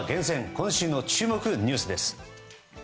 今週の注目ニュースです。